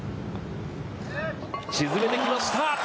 沈めてきました。